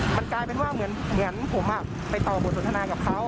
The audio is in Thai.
มันกลายเป็นว่าเหมือนผมไปต่อบทสนทนากับเขา